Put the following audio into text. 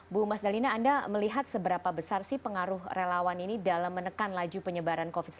bu mas dalina anda melihat seberapa besar sih pengaruh relawan ini dalam menekan laju penyebaran covid sembilan belas